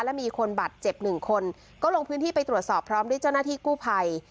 และมีคนบาดเจ็บหนึ่งคนก็ลงพื้นที่ไปตรวจสอบพร้อมด้วยเจ้าหน้าที่กู้ภัย